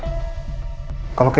ori mereka akan